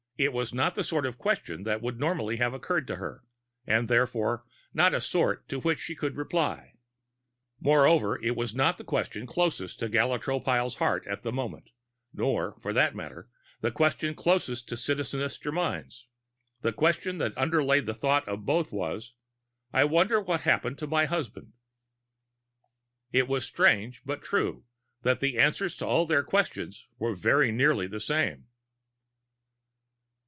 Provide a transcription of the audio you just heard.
It was not the sort of question that would normally have occurred to her and therefore not a sort to which she could reply. Moreover, it was not the question closest to Gala Tropile's heart at that moment nor, for that matter, the question closest to Citizeness Germyn's. The question that underlay the thoughts of both was: I wonder what happened to my husband. It was strange, but true, that the answers to all their questions were very nearly the same.